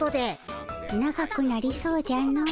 長くなりそうじゃの。